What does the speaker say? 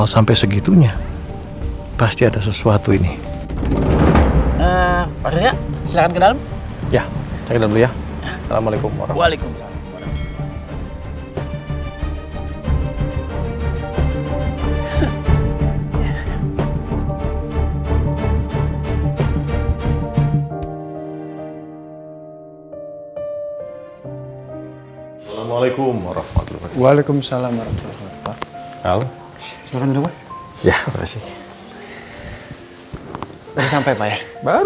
sampai jumpa di video selanjutnya